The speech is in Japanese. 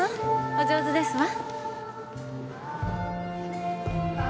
お上手ですわ。